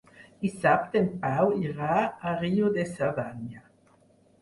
Dissabte en Pau irà a Riu de Cerdanya.